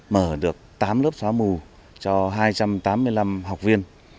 mở được tám lớp xóa mù cho hai trăm tám mươi năm học viên